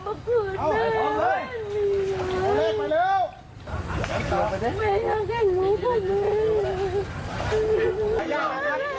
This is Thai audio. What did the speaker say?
บอกว่าแขน